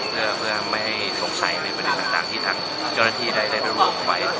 เพื่อไม่ให้สงสัยในประเด็นต่างที่ทางเจ้าหน้าที่ได้นำรองไว้